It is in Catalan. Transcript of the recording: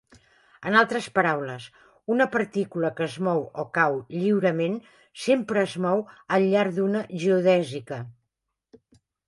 En altres paraules, una partícula que es mou o cau lliurement sempre es mou al llarg d'una geodèsica.